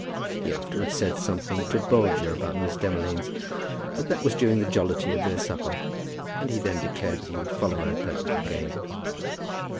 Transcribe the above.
He afterwards said something to Boulger about Miss Demolines, but that was during the jollity of their supper, and he then declared that he would follow out that little game.